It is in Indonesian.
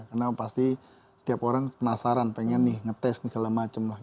karena pasti setiap orang penasaran pengen nih ngetes dan segala macam